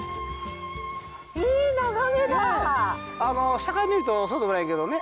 下から見るとそうでもないけどね。